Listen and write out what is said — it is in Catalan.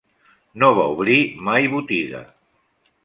No va obrir mai botiga.